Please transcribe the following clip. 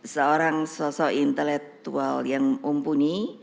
seorang sosok intelektual yang mumpuni